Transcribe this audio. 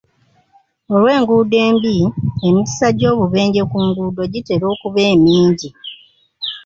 Olw'enguudo embi, emikisa gy'obubenje ku nguudo gitera okuba emingi.